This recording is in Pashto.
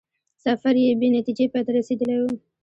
سفر یې بې نتیجې پای ته رسېدلی وو.